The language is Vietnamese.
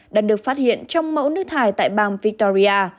đã được phát hiện trong mẫu nước thải tại bang victoria